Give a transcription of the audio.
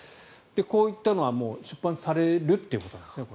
こう言ったのは出版されるということなんですね。